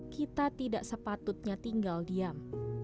kita tidak sepatutnya tinggal diam